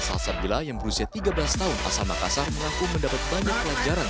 sambila yang berusia tiga belas tahun asal makassar melaku mendapat banyak pelajaran